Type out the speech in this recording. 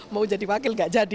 mau jadi wakil gak jadi